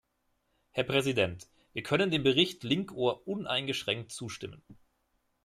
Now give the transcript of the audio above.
Herr Präsident, wir können dem Bericht Linkohr uneingeschränkt zustimmen.